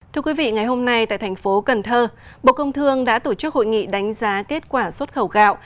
thưa quý vị ngày hôm nay tại thành phố cần thơ bộ công thương đã tổ chức hội nghị đánh giá kết quả xuất khẩu gạo